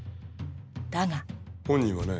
だが本人はね